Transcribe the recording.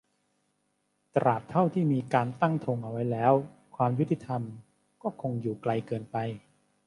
ตราบเท่าที่มีการตั้งธงเอาไว้แล้ว ความยุติธรรมก็คงอยู่ไกลเกินไป